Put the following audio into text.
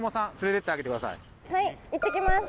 はいいってきます。